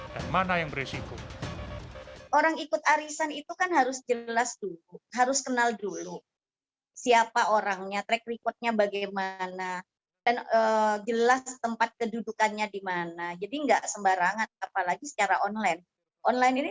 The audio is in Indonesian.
dan jelas tempat kedudukannya dimana jadi enggak sembarangan apalagi secara online online ini